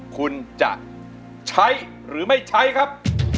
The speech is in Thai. คุณจะใช้หรือไม่ใช้ครับ